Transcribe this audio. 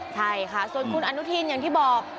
ใช่ค่ะส่วนคุณอนุทินอย่างที่บอก